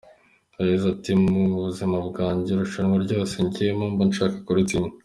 Yagize ati “Mu buzima bwanjye irushanwa ryose ngiyemo mba nshaka kuritsinda.